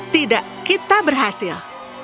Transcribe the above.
tidak kita berhasil